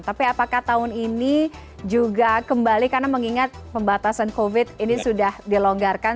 tapi apakah tahun ini juga kembali karena mengingat pembatasan covid ini sudah dilonggarkan